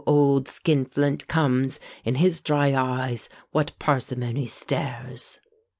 old Skin flint comes; In his dry eyes what parsimony stares!